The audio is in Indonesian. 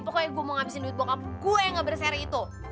pokoknya gue mau ngabisin duit bokap gue yang gak berseri itu